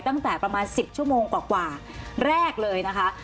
ตั้งแต่ประมาณ๑๐ชั่วโมงกว่าแรกเลยนะคะ